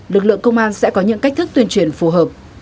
lực lượng công an sẽ có những cách thức tuyên truyền phù hợp